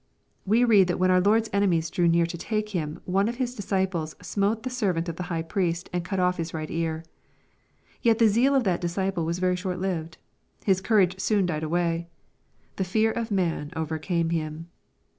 We read that when our Lord's enemies drew near to take Him, one of His disciples " smote the servant of the high priest, and cut oflF his right ear." Yet the zeal of that disciple was very short lived. His courage soon died away. The fear of man overcame him.